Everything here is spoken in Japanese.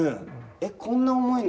えっこんな重いのを。